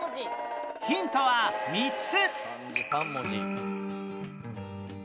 ヒントは３つ！